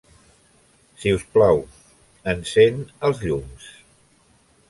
Si us plau, encén els llums.